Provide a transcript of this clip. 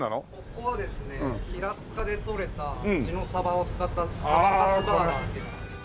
ここはですね平塚で取れた地のサバを使ったサバカツバーガーっていう。